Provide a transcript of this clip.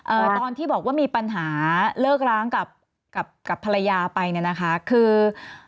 ตอนที่บอกว่ามีปัญหาเลิกร้างกับกับภรรยาไปเนี่ยนะคะคือ